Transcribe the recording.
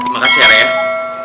makasih ya rere